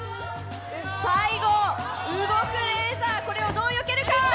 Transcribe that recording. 最後、動くレーザー、これをどうよけるか。